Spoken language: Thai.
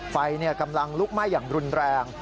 ไฟกำลังลุกไหม้อย่างรุนแรง